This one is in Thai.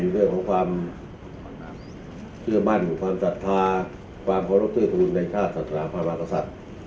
เรื่องของความเชื่อมั่นความศรัทธาความขอรบเชื่อคุณในชาติศาสตราความลักษัตริย์